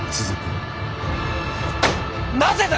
なぜだ？